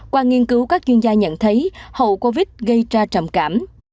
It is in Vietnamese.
qua nghiên cứu các chuyên gia nhận thấy hậu covid gây ra trầm cảm